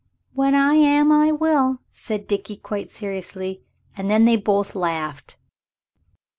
"When I am, I will," said Dickie, quite seriously. And then they both laughed.